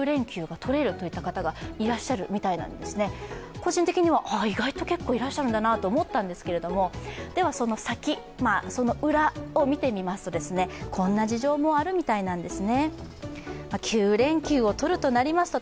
個人的には意外と結構いらっしゃるんだなと思ったんですけども、そのサキ、その裏を見てみますと、こんな事情もあるみたいです。